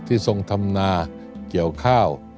ทรงทำนาเกี่ยวข้าว